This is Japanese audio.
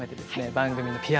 番組のＰＲ